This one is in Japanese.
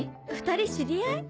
２人知り合い？